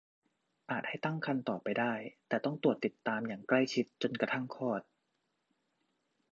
อาจให้ตั้งครรภ์ต่อไปได้แต่ต้องตรวจติดตามอย่างใกล้ชิดจนกระทั่งคลอด